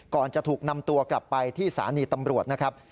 ก่อนจะถูกนำตัวกลับไปที่สถานีตำรวจนะครับ